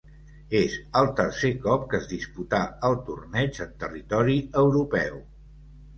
És el tercer cop que es disputà el torneig en territori europeu.